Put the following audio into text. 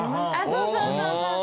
そうそうそうそう。